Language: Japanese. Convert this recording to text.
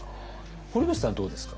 堀口さんどうですか？